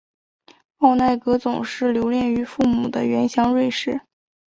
奥乃格总是留恋于父母的原乡瑞士。